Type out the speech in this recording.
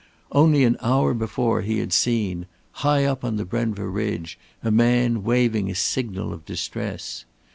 Only an hour before he had seen, high up on the Brenva ridge, a man waving a signal of distress.